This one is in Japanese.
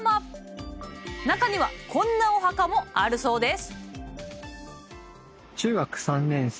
中にはこんなお墓もあるそうです。